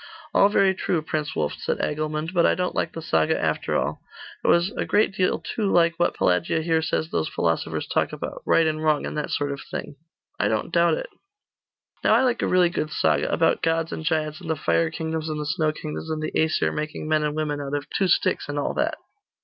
'All very true, Prince Wulf,' said Agilmund, 'but I don't like the saga after all. It was a great deal too like what Pelagia here says those philosophers talk about right and wrong, and that sort of thing.' 'I don't doubt it.' 'Now I like a really good saga, about gods and giants, and the fire kingdoms and the snow kingdoms, and the Aesir making men and women out of two sticks, and all that.